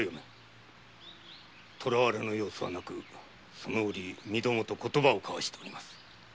囚われの様子はなくその折私と言葉をかわしております。